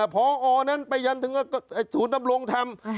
พอนั่นไปยันถึงทุนนำรงค์ทำ